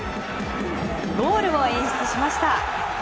ゴールを演出しました。